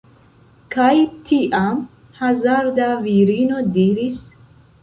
Kaj tiam, hazarda virino diris: